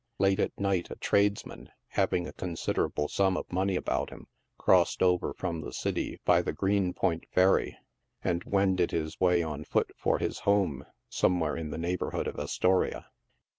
Late at night a tradesman, having a considerable sum of money about him, crossed over from the city by the Greenpoint Ferry, and wended his way on foot for his home, somewhere in the neighborhood of Astoria.